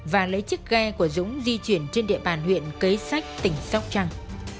và lấy chiếc ghe của dũng di chuyển trên địa bàn huyện cấy sách tỉnh sóc trăng